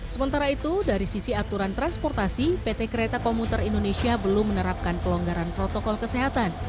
sementara itu dari sisi aturan transportasi pt kereta komuter indonesia belum menerapkan kelonggaran protokol kesehatan